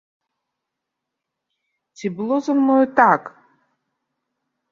Ці было за мною так?